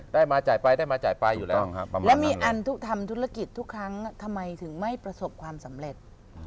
ได้มาจ่ายไปได้มาจ่ายไปอยู่แล้วแล้วมีอันทำธุรกิจทุกครั้งทำไมถึงไม่ประสบความสำเร็จ